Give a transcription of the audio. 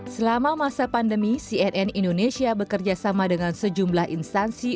selama masa pandemi cnn indonesia bekerjasama dengan sejumlah instansi